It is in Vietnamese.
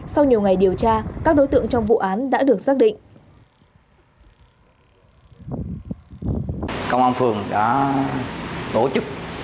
sau nhiều ngày điều tra các đối tượng trong vụ án đã được xác định